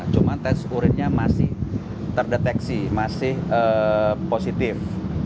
cuma tes urinnya masih terdeteksi masih positif